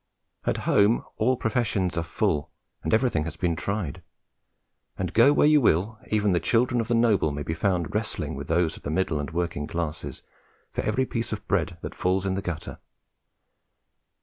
At home, all professions are full and everything has been tried; and, go where you will, even the children of the noble may be found wrestling with those of the middle and working classes for every piece of bread that falls in the gutter.